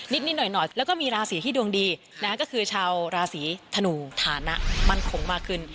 นิดหน่อยแล้วก็มีราศีที่ดวงดีนะก็คือชาวราศีธนูฐานะมั่นคงมากขึ้น